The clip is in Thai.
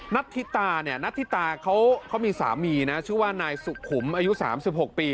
นัทธิตาเขามีสามีชื่อว่านายสุขุมอายุ๓๖ปี